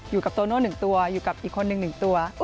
อยู่กับโตโน่หนึ่งตัวอยู่กับอีกคนนึงหนึ่งตัว